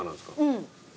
うん。